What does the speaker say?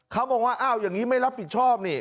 เขาบอกว่าอ้าวอย่างนี้ไม่รับผิดชอบนี่